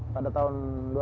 pada tahun dua ribu